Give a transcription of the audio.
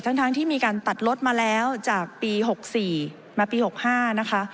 ทั้งทั้งที่มีการตัดลดมาแล้วจากปีหกสี่มาปีหกห้านะคะ